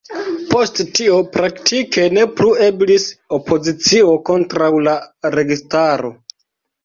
Post tio praktike ne plu eblis opozicio kontraŭ la registaro.